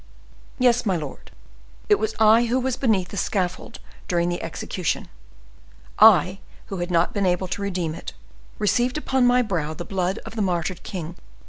"Yes, my lord; it was I who was beneath the scaffold during the execution; I, who had not been able to redeem it, received upon my brow the blood of the martyred king.